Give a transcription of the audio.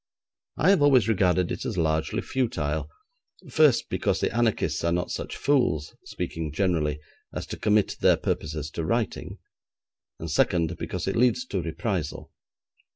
I have always regarded it as largely futile; first, because the anarchists are not such fools, speaking generally, as to commit their purposes to writing; and, second, because it leads to reprisal.